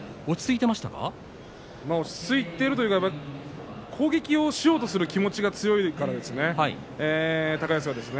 落ち着いているというか攻撃をしようとする気持ちが強いですから高安が。